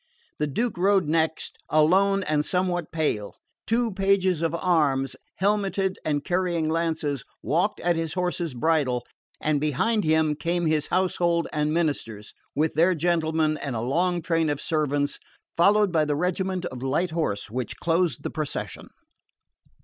The Duke rode next, alone and somewhat pale. Two pages of arms, helmeted and carrying lances, walked at his horse's bridle; and behind him came his household and ministers, with their gentlemen and a long train of servants, followed by the regiment of light horse which closed the procession.